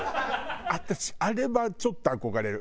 私あれはちょっと憧れる。